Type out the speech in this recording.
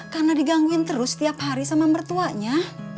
karena digangguin terus tiap hari sama mertuanya